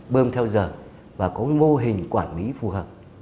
bơm theo giờ và có mô hình quản lý phù hợp